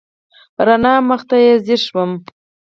راڼه مخ ته یې ځېر شوم.